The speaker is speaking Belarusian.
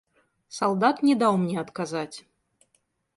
Салдат не даў мне адказаць.